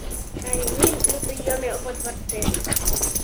Каренин на приеме во дворце.